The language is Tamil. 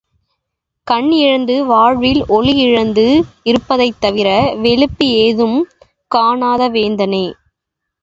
கண் இழந்து வாழ்வில் ஒளி இழந்து இருப்பதைத்தவிர வெளுப்பு ஏதும் காணாத வேந்தனே!